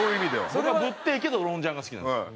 僕はぶってえけどロンジャンが好きなんですよ。